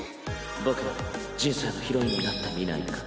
僕の人生のヒロインになってみないか。